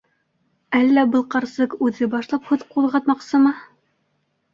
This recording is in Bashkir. Әллә был ҡарсыҡ үҙе башлап һүҙ ҡуҙғатмаҡсымы?